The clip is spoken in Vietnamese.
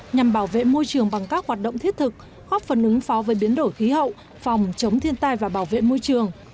nhằm bảo vệ môi trường bằng các hoạt động thiết thực góp phần ứng phó với biến đổi khí hậu phòng chống thiên tai và bảo vệ môi trường